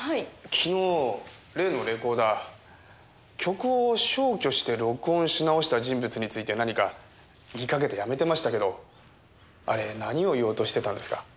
昨日例のレコーダー曲を消去して録音し直した人物について何か言いかけてやめてましたけどあれ何を言おうとしてたんですか？